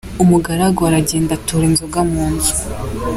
Umugaragu aragenda atura inzoga mu nzu.